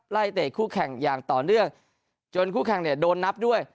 เตะคู่แข่งอย่างต่อเนื่องจนคู่แข่งเนี่ยโดนนับด้วย